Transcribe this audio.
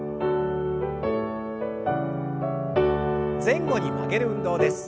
前後に曲げる運動です。